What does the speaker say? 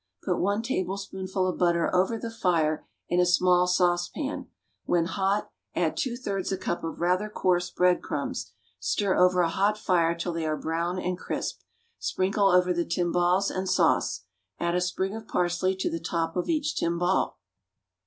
Put one tablespoonful of butter over the fire in a small saucepan; when hot add two thirds a cup of rather coarse bread crumbs; stir over a hot fire till they are brown and crisp. Sprinkle over the timbales and sauce. Add a sprig of parsley to the top of each timbale.